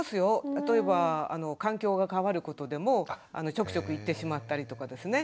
例えば環境が変わることでもちょくちょく行ってしまったりとかですね